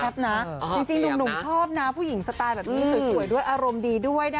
จริงหนุ่มชอบนะผู้หญิงสไตล์แบบนี้สวยด้วยอารมณ์ดีด้วยนะ